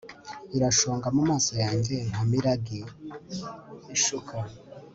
irashonga mumaso yanjye nka mirage ishuka